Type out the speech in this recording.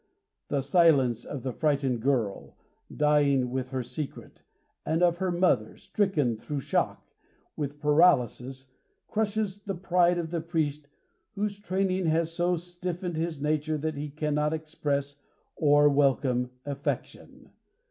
The silence of the frightened girl, dying with her secret, and of her mother, stricken, through shock, with paralysis, crushes the pride of the priest whose training has so stiffened his nature that he cannot express or welcome affection.